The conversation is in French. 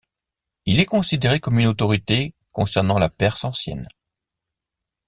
Il est considéré comme une autorité concernant la Perse ancienne.